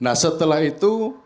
nah setelah itu